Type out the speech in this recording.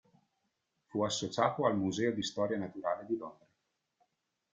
Fu associato al Museo di storia naturale di Londra.